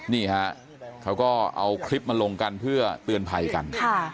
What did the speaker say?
นี่ฮะเขาก็เอาคลิปมาลงกันเพื่อเตือนภัยกัน